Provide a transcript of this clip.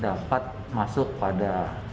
dapat masuk pada